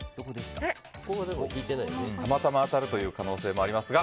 たまたま当たる可能性もありますが。